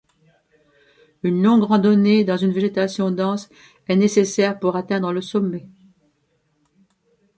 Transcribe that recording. Une longue randonnée dans une végétation dense est nécessaire pour atteindre le sommet.